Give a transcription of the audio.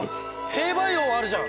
兵馬俑あるじゃん！